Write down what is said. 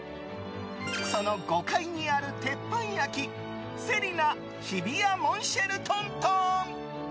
その５階にある鉄板焼き瀬里奈日比谷モンシェルトントン。